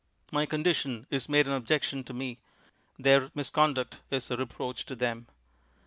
My condition is made an objection to me; their misconduct is a reproach to them.